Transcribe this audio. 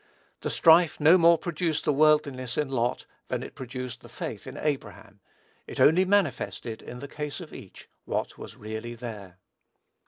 The strife no more produced the worldliness in Lot than it produced the faith in Abraham; it only manifested, in the case of each, what was really there.